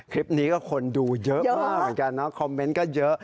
คลิปนี้ก็คนดูเยอะมากเหมือนกันนะคอมเมนต์ก็เยอะ